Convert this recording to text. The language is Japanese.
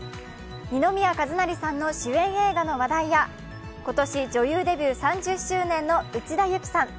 二宮和也さんの主演映画の話題や今年、女優デビュー３０周年の内田有紀さん。